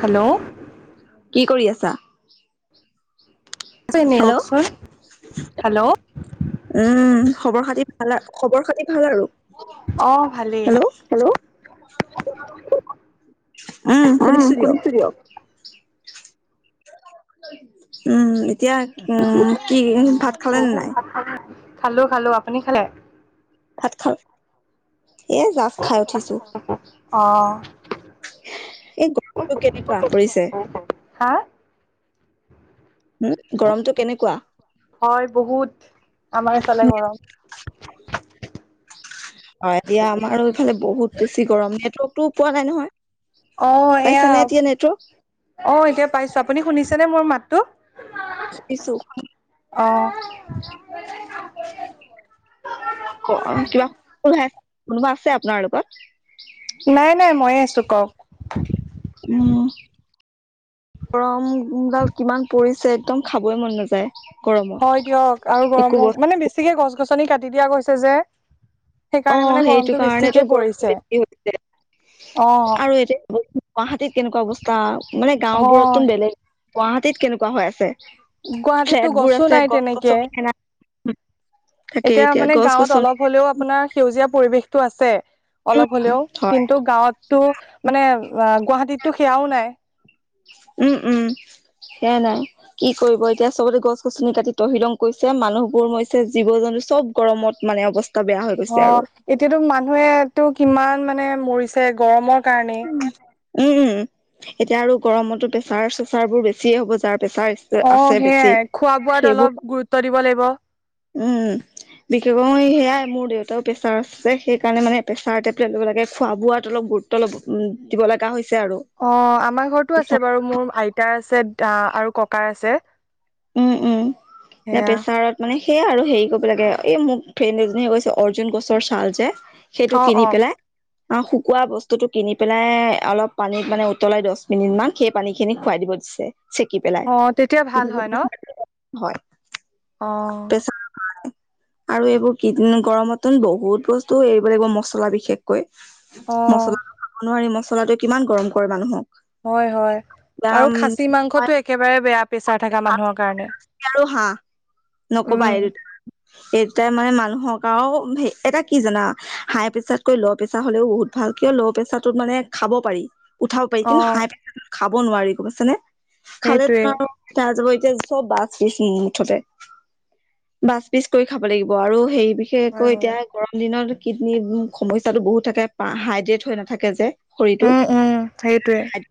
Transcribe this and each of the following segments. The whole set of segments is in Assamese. হেল্ল' কি কৰি আছা? আছে নি হেল্ল' কওকচোন হেল্ল' উম, খবৰ খাতি ভাল, খবৰ খাতি ভাল আৰু? অহ ভালেই, হেল্ল। উম, শুনিছো দিয়ক। উম। এতিয়া, উম কি ভাত খালেনে নাই? খালো, খালো। আপুনি খালে? ভাত খালে? এ জাষ্ট খাই উঠিছো। অ এই গৰমটো কেনেকুৱা পৰিছে। হা। উম গৰমতটো কেনেকুৱা? হয় বহুত আমাৰ ফালে গৰম। অ এতিয়া আমাৰ এইফালে বহুত বেছি গৰম নেটৱৰ্কতটো পোৱা নাই নহয়। অ এয়া পাইছানে এতিয়া নেটৱৰ্ক অ এতিয়া পাইছো আপুনি শুনিছেনেে মোৰ মাতটো? ছ অ কিবা কোনোবা আছে আপোনাৰ লগত। নাই নাই ময়ে আছো কওক উম। গৰমডাল কিমান পৰিছে একদম খাবই মন নাযায়। গৰমত হয় দিয়ক আৰু একো বস্তু গৰমক মানে বেছিকে গছ গছনি কাটি দিয়া গৈছে যে। অ সেইকাৰণে মানে সেইটো গৰমটো বেছিকে কাৰণেতো গৰম পৰিছে বেছি হৈছে। অ আৰু এতিয়া গুৱাহাটী। কেনেকুৱা অৱস্থা মানে অ গাঁওবোৰত বেলেগ গুৱাহাটীত কেনেকুৱা হৈ আছে গুৱাহাটীততো ফ্লেট বোৰ গছো আছে নাই গছ তেনেকে গছনি সেনা থাকে এতিয়া মানে গছ গাঁৱত গছনি অলপ হলেও আপোনাৰ সেউজীয়া পৰিৱেশটো আছে অলপ হ'লেও হয় কিন্তু গাঁৱতটো মানে গুৱাহাটীততো সেয়াও নাই ওম ওম সেয়া নাই কি কৰিব এতিয়া চবতে গছ গছনি কাটি তহি লং কৰিছে মানুহবোৰ মৰিছে হৈছে জীৱ জন্তু চব গৰমত মাৰে অৱচ অ এতিয়াতো মানুহেটো কিমান মানে মৰিছে গৰমৰ কাৰণে উম, এতিয়া আৰু গৰমতো প্ৰেছাৰ চেচাৰ বোৰ বেছি হ'ব। যাৰ প্ৰেছাৰ অ আছে বেছি সেয়াই খোৱা বোৱাত সেইবো, অলপ গুৰুত্ব দিব লাগিব উম। বিশেষক সেয়াই মোৰ দেউতাও প্ৰেচাৰ আছে। সেইকাৰণে মানে প্ৰেছাৰ টেবলেট দিব লাগে। খোৱা-বোৱাত অলপ গুৰুত্ব তলৱ দিব লগা হৈছে আৰু অ, আমাৰ ঘৰতো আছে বাৰু। মোৰ আইতাৰ আছে দা আৰু ককাৰ আছে। উম, উম এ সেয়া পেছাৰত মানে সেইয়া আৰু হেৰি কৰিব লাগে। এই মোক ফ্ৰেণ্ড এজনীয়ে কৈছে, অৰ্জুন গছৰ ছাল যে। সেইটো অ কিনি অ পেলাই অ, শুকোৱা বস্তুটো কিনি পেলাই অলপ পানীত মানে উতলাই দছ মিনিট মান সেই পানী খিনি খুৱাই দিব দিছে। চেকি পেলাই অ তেতিয়া ভাল হয় ন হয়। অ। প্ৰেছাৰ আৰু এইবোৰ কিডনী, গৰমতটো বহুত বস্তু এৰিব লাগিব মচলা বিশেষকৈ। অ মছলাটো খাব নোৱাৰি। মছলাটো কিমান গৰম কৰে মানুহক। হয়, হয় দাম আৰু খাচী মাংসটো একেবাৰে বেয়া প্ৰেছাৰ থাকা মানুহৰ কাৰণে। ঢেকিয়া আৰু হাঁহ? নকবা উম [unintelligible] এইটা মান মানুহক আৰু এটা কি জানা হাই প্ৰেছাৰতকৈ ল' প্ৰেছাৰ হলেও বহুত ভাল। এতিয়া ল' প্ৰেচাৰতো মানে খাব পাৰি। উঠাব পাৰি। কিন্তু অ হাই [unintelligible] খাব নোৱাৰি। গম পাইছা নে? খালে সেইটোৱে টোন আৰু [unintelligible] চব বাচ পিচ মুঠতে। বাচ পিচ কৰি খাব লাগিব আৰু হেই হয় বিশেষকৈ হয় এতিয়া গৰম দিনত কিডনীৰ সমস্যাটো বহুত থাকে। পা হাইড্ৰেড হৈ নাথাকে যে। শৰীৰটো উম উম সেইটোৱে [unintelligible] হাইড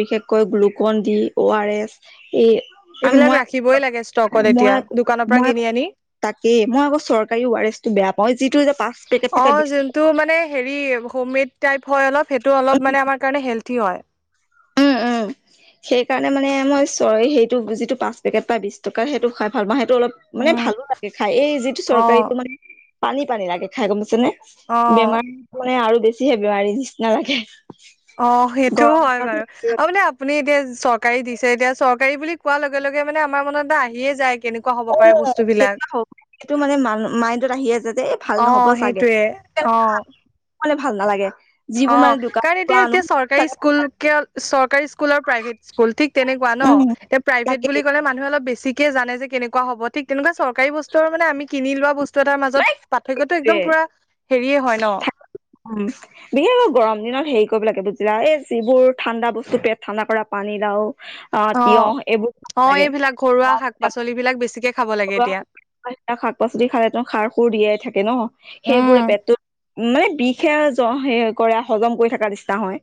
বিশেষকৈ গ্লুকনডি, অ আৰ এছ। এই আন মই দিবই লাগে ষ্টকত মই এতিয়া, দোকানৰ পৰা মই কিনি আনি তাকেই মই চৰকাৰী আৰছ টো বেয়া পাওঁ যিটো যে পাঁচ পেকেট থাকে বিশ অমিত টাইফৰ অলপ সেইটো অলপ মানে আমাৰ কাৰণে হেলঠি হয় উম উম সেই কাৰণে মানে মই চৰি সেইটো যিটো পাঁচ পেকেট বা বিশ টকা সেইটো খাই ভাল উম এটো অলপ মানে উম ভালো লাগে খাই এই যিটো অ চৰকাৰীটো মানে পানী পানী লাগে খাই গম পাইছে নে অ বেমাৰ মানে আৰু বেছিহে বেমাৰীৰ নিচিনা লাগে। অ, সেইটোও গৰম হয় বাৰু। আৰু মানে আপুনি দি চৰকাৰী দিছে এতিয়া। চৰকাৰী বুলি কোৱাৰ লগে লগে মানে আমাৰ মনত এটা আহিয়ে যায়। কেনেকুৱা হ'ব অ, পাৰে বস্তুবিলাক কেনেকোৱা হ'ব? এইটো মানে মা মাইণ্ডত আহিয়ে যায় যে এই ভাল অ নহ'ব চাগে। সেইটোৱে অ। নকলে ভাল নালাগে। অ, যিবোৰ মানে দোকানৰ কাৰ এতিয়া পৰা আনো এতিয়া চৰকাৰী চাগে স্কুল, চৰকাৰী স্কুল আৰু প্ৰাইভেট স্কুল ঠিক তেনেকুৱা। ন? উম এতিয়া প্ৰাইভেট তাকেই বুলি ক'লে মানুহে অলপ বেছি জানে যে কেনেকুৱা হব ঠিক তেনেকুৱা চৰকাৰী বস্তু মানে কিনি লোৱা বস্তু বস্তু এটাৰ মাজত মানে পাৰ্থক্যটো একদম পুৰা সেইটোৱে হেৰিয়ে হয় ন? উম বিশেষকৈ গৰম দিনত হেৰি কৰিব লাগে। বুজিলা? এ যিবোৰ ঠাণ্ডা বস্তু পেট ঠাণ্ডা কৰা পানী লাও অ তিয়হ এইবোৰ খাব অ লাগে। এইবিলাক ঘৰুৱা শাক পাচলিবিলাক [unintelligible] [unintelligible] বেছিকে খাব লাগে এতিয়া শাক-পাচলি খালেতো খাৰ খুৰ দিয়াই থাকে ন? সেইবোৰে পেটটোত মানে বিষহে য কৰে হজম কৰি থকা নিচিনা হয়।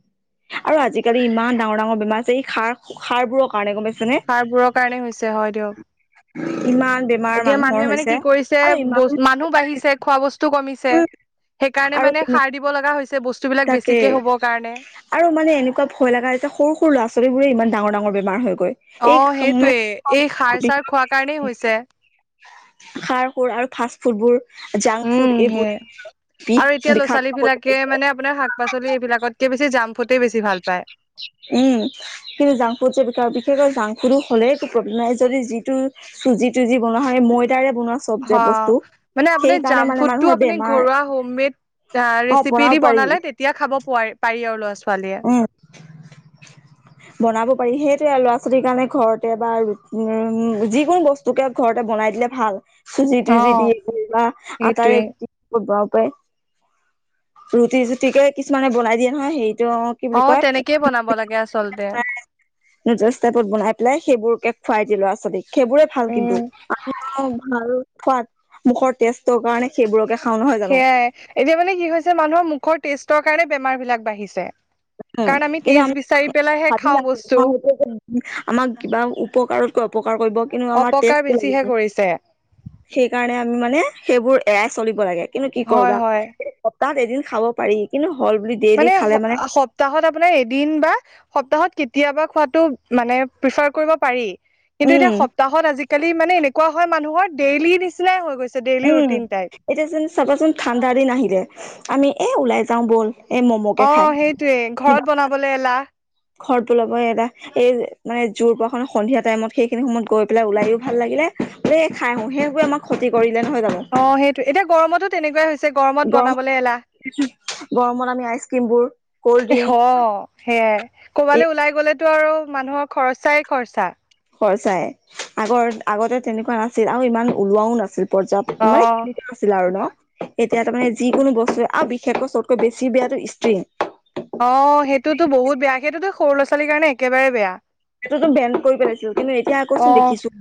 আৰু আজিকালি ইমান ডাঙৰ ডাঙৰ বেমাৰ আছে, এই সাৰ, সাৰ বোৰৰ কাৰণে। গম পাইছে নে সাৰবোৰৰ কাৰণে হৈছে হয় ইমান বেমাৰ দিয়ক। এতিয়া মানুহৰ মানুহে মানে হৈছে কি কৰিছে আৰু ইমান বছ মানুহ বেমাৰ লাগিছে। বাঢ়িছে, খোৱা বস্তু কমিছে। উম, সেই কাৰণে আৰু মানে তেনে সাৰ দিব লগা হৈছে বস্তুবিলাক তাকে বেছিকে হ'বৰ কাৰণে। আৰু মানে এনেকুৱা ভয় লগা হৈছে, সৰু ল'ৰা-ছোৱালী ইমান ডাঙৰ ডাঙৰ বেমাৰ হৈ গ, অ এই মানে, সেইটোৱে এই সাৰ চাৰ খোৱাৰ কাৰণেই হৈছে খাৰ-খুৰ আৰু ফাষ্ট ফুডবোৰ জাংক ফুড উম সেয়ে। এইবোৰ। বিষ আৰু এতিয়া বিষাক্ত ল'ৰা-ছোৱালী কৰি বিলাকে পেলাইছে মানে, আপোনাৰ শাক-পাচলি এইবিলাকতকে বেছি জাম ফুটেই বেছি ভাল পায় উম' কিন্তু জাং ফুদ যে বিকা বিশেষৈ তাংফুদু হ'লে একো প্ৰব্লেম নাই যদি যিটো চুজি তুজি বনোৱা হয়, মই তাৰে অ' মানে আপোনাৰ জাম মানে ফুডটো মানুহৰ আপুনি বেমাৰ ঘৰুৱা হোম মেড আহ অ ৰেচিপি বনাব দি পাৰি বনালে তেতিয়া খাব পোৱাৰি পাৰি আৰু ল'ৰা ছোৱালী। উম, বনাব পাৰিহে। ল'ৰা-ছোৱালীৰ কাৰণে ঘৰতে বা উম যিকোনো বস্তুকে ঘৰতে বনাই দিলে ভাল। চুজি অ তুজি দিয়ে কৰিবা, আটাৰে সেইটোৱে ৰুটি ৰুটি-চুটিকে কিছুমানে বনাই দিয়ে নহয়, সেইটো কি অ বুলি কয়? তেনেকেই বনাব লাগে আচলতে নজৰ ষ্টাইপত বনাই পেলাই সেইবোৰকে খুৱাই দিয়ে ল'ৰা-ছোৱালীক। সেইবোৰে ভাল উম কিন্তু, আমি ভাল সোৱাদ মুখৰ টেষ্টৰ কাৰণে সেইবোৰকে খাওঁ নহয় জানো সেয়াই এতিয়া মানে কি হৈছে, মানুহৰ মুখৰ টেষ্টৰ কাৰণে বেমাৰ বিলাক বাঢ়িছে। উম কাৰণ আমি কিন্তু টেজ বিচ ভাবি আছো, আমাৰ সেইটো যে আমাক কিবা উপকাৰতকৈ অপকাৰ কৰিব, কিন্তু আমাৰ তে [unintelligible] পিছে সেইকাৰণে আমি মানে সেইবোৰ এৰাই চলিব লাগে, কিন্তু কি হয় কৰিবা হয় এই সপ্তাহত এদিন খাব পাৰি, কিন্তু হ'ল বুলি ডেইলি খালে মানে প্তাহত আপোনাৰ এদিন বা সপ্তাহত কেতিয়াবা খোৱাটো মানে প্ৰফাৰ কৰিব পাৰি। কিন্তু এতিয়া উম সপ্তাহত আজিকালি মানে এনেকুৱা হয়, মানুহৰ ডেইলি নিচিনাই হৈ গৈছে। ডেইলি উম' ৰুটিন টাইপ এতিয়া যোন চাবাচোন ঠাণ্ডা দিন আহিলে আমি এ ওলাই যাওঁ ব'ল। এই ম'ম'কে অ খাই সেইটোৱে ঘৰত বনাবলৈ এলাহ। ঘৰত ওলাব এটা এই মানে জোৰ পোৱা খন সন্ধিয়া টাইমত সেইখিনি সময়ত গৈ পেলাই ওলাইও ভাল লাগিলে। খাই আহো, সেইবোৰে আমাক ক্ষতি কৰি অ' সেইটো এতিয়া গৰমতো তেনেকুৱাই হৈছে, গৰমত গৰম বনাবলৈ এলাহ। গৰমত আমি আইচক্ৰীমবোৰ, ক'ল্ড ড্ৰিংক- এই ক'বালৈ ওলাই গ'লেতটো আৰু মানুহৰ খৰচাই খৰচা। খৰচাই আগৰ আগতে তেনেকুৱা নাছিল, আৰু ইমান ওলোৱাও নাছিল। পৰ্যাপ্ত অ মানে, আছিল আৰু ন। এতিয়া তাৰমানে যিকোনো বস্তু, আৰু বিশেষকৈ চবতকৈ বেছি বেয়াটো ষ্টিং অ সেইটোতো বহুত বেয়া, সেইটোতো সৰু লৰা-ছোৱালীৰ কাৰণে একেবাৰে বেয়া। সেইটোতো বেন কৰি পেলাইছিল, কিন্তু এতিয়া অ আকৌচোন দেখিছো।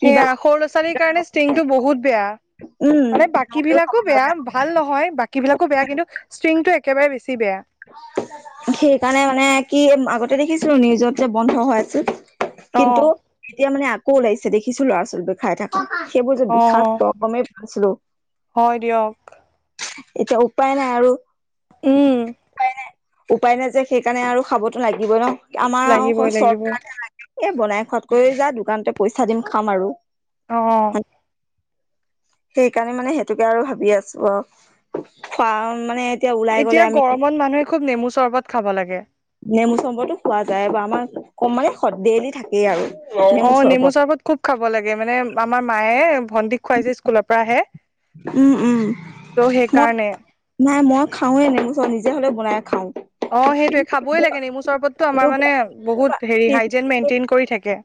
কিবা সেয়া সৰু ল'ৰা-ছোৱালীৰ কাৰণে ষ্টিংটো বহুত বেয়া। উম মানে বাকী বিলাকো খাব বেয়া, নালাগে ভাল নহয় বাকী বিলাকো বেয়া, কিন্তু ষ্টিং সেইকাৰণে মানে কি আগতে দেখিছিলো নিউজত যে বন্ধ হৈ আছিল, অ কিন্তু এতিয়া মানে ক' ওলাইছে দেখিছো ল'ৰা-ছোৱালীবো খাই থকা, সেইবোৰ যে অ বিষাক্ত গমেই পাৱা নাছিলো। হয় দিয়ক। এতিয়া উপায় নাই আৰু। উম উপায় নাই যে সেইকাৰণে আৰু খাবতো লাগিব ন, আমাৰ আৰু লাগিবই লাগিবই চৰকাৰহে লাগে। এ বনাই খোৱাতকৈ যা দোকানতে পইচা দিম খাম আৰু। অ সেই কাৰণে মানে সেইটোকে আৰু ভাবি আছো অ, কাৰণ মানে এতিয়া ওলাই গলে এতিয়া আমি গৰমত মানুহে খুব নেমু চৰবত খাব লাগে। নেমু চৰবতো খোৱা যায়, বা আমাৰ কম মানে ডেইলি থাকেই আৰু। অ, নেমু চৰবত খুব খাব লাগে। মানে আমাৰ মায়ে ভণ্টিক খুৱাই যে, স্কুলৰ পৰা আহে। উম-উম, ত' মই, সেইকাৰণে নাই মই খাওঁৱে নেমু চৰবত নিজে হ'লেও বনাই। খাওঁ অ, সেইটোৱে খাবই কিন্তু লাগে নেমু চৰবতো আমাৰ মানে বহুত হেৰি হাইজেন মেইনটেইন কৰি থাকে।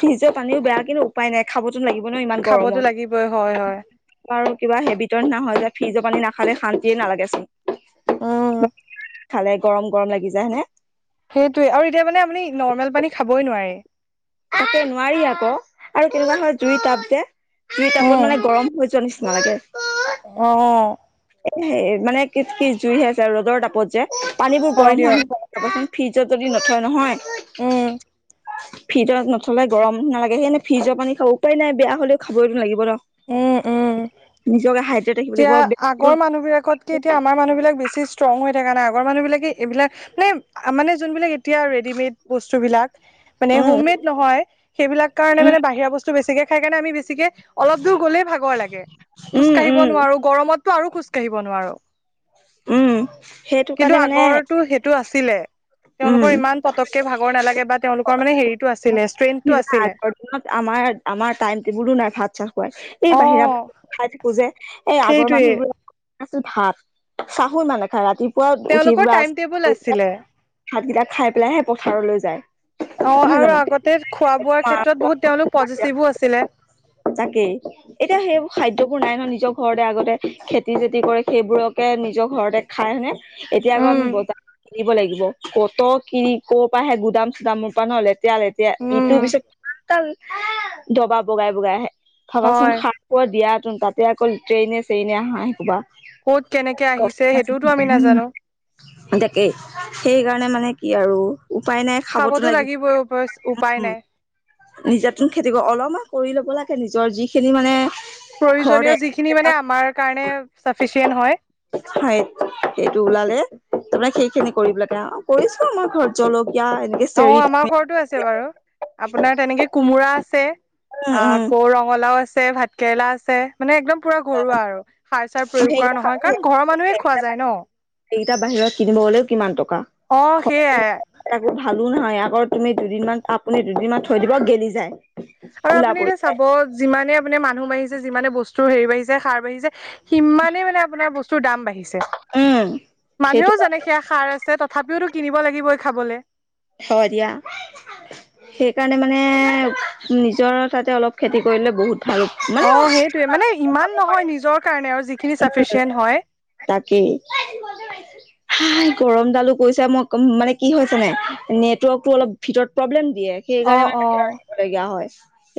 ফ্ৰিজৰ পানীও বেয়া, কিন্তু উপায় নাই খাবতো লাগিব ন ইমান খাবতো গৰমত। লাগিবই হয় হয় আৰু কিবা হেবিতৰ নিচিনা হয় যে, ফ্ৰিজৰ পানী নাখালে শান্তিয়ে নালাগে চোন। উম খালে গৰম-গৰম লাগি যায়, হয়নে? সেইটোৱে আৰু এতিয়া মানে আপুনি নৰ্মেল পানী খাবই নোৱাৰে। তাকে নোৱাৰি আকৌ আৰু কেনেকুৱা হয় জুই টাব যে, জুই টাবত উম মানে গৰম হৈ যোৱা নিচিনা নালাগে অ সেই মানে কি-কি জুই হে আছে ৰ'দৰ তাপত যে, পানীবোৰ গৰম হয়, নহয় চাবচোন। ফ্ৰিজত যদি নথয়, নহয় উম ফ্ৰিজত নথলে গৰম নালাগে, সেইকাৰণে ফ্ৰিজৰ পানী খাওঁ, উপায় নাই বেয়া হ'লেও খাবইতো লাগিব উম, উম। ন। নিজকে হাইড্ৰেট ৰাখিব এতিয়া লাগিব। আগৰ মানুহবিলাকত কে এতিয়া আমাৰ মানুহবিলাক বেছি ইষ্ট্ৰং হৈ থকা নাই, আগৰ মানুহ বিলাকে এইবিলাক মানে-মানে যোনবিলাক এতিয়া ৰেডিমেড বস্তু বিলাক মানে উম হোমমেড নহয়, সেইবিলাক কাৰণে উম মানে বাহিৰা বস্তু চ বেছিকে খাই কাৰণে আমি বেছিকে, অলপ দূৰ গলেই ভাগৰ লাগে, খোজ উম কাঢ়িব উম নোৱাৰো। গৰমত মইতো আৰু খোজ কাঢ়িব নোৱাৰো। উম সেইটো কাৰণে কিন্তু মানে আগৰটো সেইটো আছিলে উম তেওঁলোকৰ ইমান পতককে ভাগৰ নালাগে বা তেওঁলোকৰ মানে হেৰিটো আছিলে, ষ্ট্ৰেইন কি টো জানা আছিলে। আগৰ দিনত আমাৰ আমাৰ টাইম-টেবোলো নাই। ভাত-চাত এই বাহিৰত অ', খাই থাকো যে, এই আগৰ সেইটোৱে। মানুহবোৰৰ আছিল ভাত চাহহো ইমান নাখায়, ৰাতিপুৱা উঠি তেওঁলোকৰ ব্ৰাছ টাইম টেবুল কৰি আছিলে পেলাই, ভাতকেইটা। খাই পেলাইহে পথাৰলৈ যায়। অ, নহয় আৰু জানো আগতে খোৱা-বোৱাৰ মাৰ ক্ষেত্ৰত বহুত তেওঁলোক বাহিৰা পজিচিভো আছিলে। তাকেই, এতিয়া সেইবোৰ খাদ্য। বোৰ নাই ন, নিজৰ ঘৰতে আগতে খেতি-বেতি কৰে, সেইবোৰকে নিজৰ ঘৰতে খাই, হয়নে? এতিয়া আকৌ উম আমি বজাৰত কিনিব লাগিব, ক'ত কিনি, ক'ৰ পৰা সে গুদাম-চুদামৰ পৰা নহ'লে। এতিয়া লেতেৰা, উম ইটোৰ পিছত দবা বগাই- বগাই আহে। ভাবাচোন হয় খাৰ খোৱা দিয়া হেতেন, তাতে অকল ট্ৰেইনে-চ্ৰেইনে আহা হেতেন‌ বা ক'ত কেনেকে আহিছে সেইটোওতো আমি নাজানো তাকেই, সেইকাৰণে মানে কি আৰু উপায় নাই, খাবতো উপায় লাগিব। নাই নিজাতন খেতি অলপমান কৰি ল'ব লাগে। নিজৰ যিখিনি মানে প্ৰয়োজনীয় ঘৰতে যিখিনি মানে, আমাৰ কাৰণে চাফিচিয়েণ্ট হয়। হয়, সেইটো ওলালে তাৰমানে সেইখিনি কৰিব লাগে, কৰিছো আমাৰ ঘৰত জল অ, আমাৰ ঘৰতো আছে বাৰু, আপোনাৰ তেনেকে কোমোৰা আছে। উম আ উম আকৌ ৰঙালাও আছে, ভাত কেৰেলা আছে, মানে একদম পুৰা ঘৰুৱা আৰু সাৰ-চাৰ প্ৰয়োগ কৰা সেইকেইটা নহয়, কাৰণ ঘৰৰ মানুহে খোৱা যায় ন। এইকেইটা বাহিৰত কিনিব গলেও কিমান টকা, অ ঘৰ সেইয়াই অৱস্থাবোৰ ভালো নহয়। এইয়া অ, তুমি দুদিনমান, আপুনি দুদিনমান থৈ দিব গেলি যায়। আৰু ওলা আপুনি পৰি এতিয়া চাব যিমানে আপুনি মানুহ বাঢ়িছে, যিমানে বস্তুৰ হেৰি বাঢ়িছে, সাৰ বাঢ়িছে। সিমানেই মানে আপোনাৰ বস্তুৰ দাম বাঢ়িছে উম সেইটো মানুহেওঁ যানে সেয়া হা হয় দিয়া সেইকাৰণে মানে নিজৰ তাতে অলপ খেতি কৰিলে বহুত অ সেইটোয়ে মানে ইমান খাব নহয় পাৰে নিজৰ কাৰণে আৰু যিখিনি উ চাফিচিয়েণ্ট হয় তাকেই গৰম দালো কৈছা মই মানে কম কি হৈছে নে নেটৱৰ্কতটো অলপ ভিতৰত প্ৰব্লেম দিয়ে সেই অ কাৰণে অ মিব লগগা হয়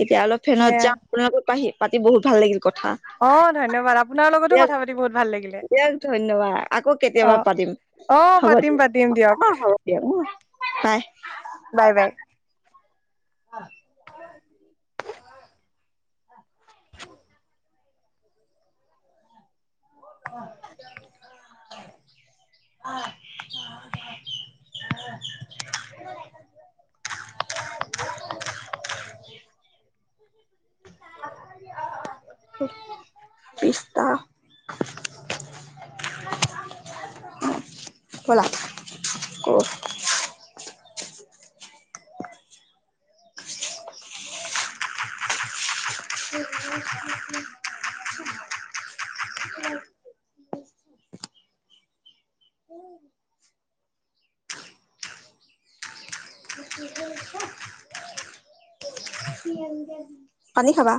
এতিয়া অলপ ফেনত সেয়া যাম আপ পাহি। পাতি বহু ভাল লাগিল। কথা অ ধন্যবাদ আপোনাৰ। লগতো দিয়ক কথা পাতি বহুত ভাল লাগিলে দিয়ক ধন্যবাদ আকৌ অ কেতিয়াবা পাতিম অ হ'ব পাতিম দিয়ক। পাতিম দিয়ক অ হব দিয়ক বাই। Bye bye. অ। অ অ। হ [unintelligible] উ [unintelligible] [unintelligible] পিছ্তা। বলা ক'। [unintelligible] উ [unintelligible] উ [unintelligible] পানী খাবা।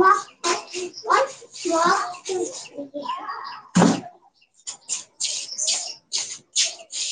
মাহ। [unintelligible] [unintelligible]